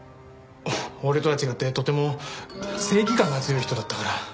俺とは違ってとても正義感が強い人だったから。